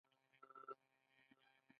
خور د ښو اشنايي پلوي ده.